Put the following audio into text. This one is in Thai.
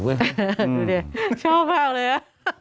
ดูดิชอบครับเลย